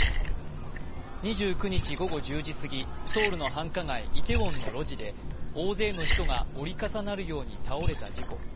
２９日午後１０時すぎソウルの繁華街イテウォンの路地で大勢の人が折り重なるように倒れた事故。